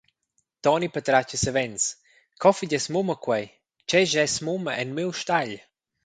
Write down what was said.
Toni patratga savens: Co fagess mumma quei; tgei schess mumma en miu stagl?